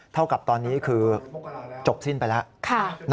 เท่ากับตอนนี้คือจบสิ้นไปแล้ว